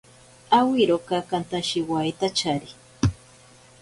Awiroka kantashiwaitachari.